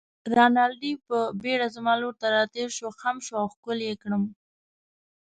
رینالډي په بېړه زما لور ته راتېر شو، خم شو او ښکل يې کړم.